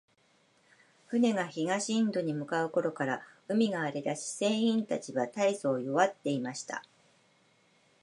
船が東インドに向う頃から、海が荒れだし、船員たちは大そう弱っていました。